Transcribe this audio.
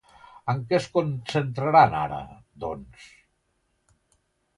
En què es concentraran ara, doncs?